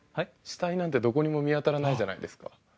死体なんてどこにも見当たらないじゃないですか。